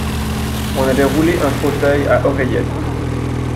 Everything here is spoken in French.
On avait roulé un fauteuil à oreillettes.